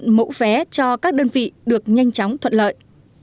mẫu vé cho các đơn vị được nhanh chóng thuận lợi